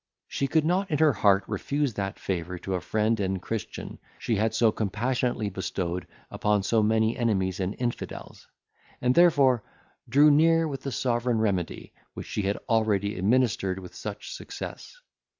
She could not in her heart refuse that favour to a friend and Christian she had so compassionately bestowed upon so many enemies and infidels, and therefore drew near with the sovereign remedy, which she had already administered with such success.